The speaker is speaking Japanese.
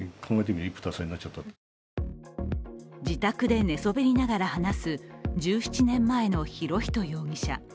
自宅で寝そべりながら話す１７年前の博仁容疑者。